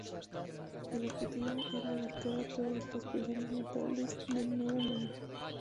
El objetivo era abarcar a todas las personas notables del Nuevo Mundo.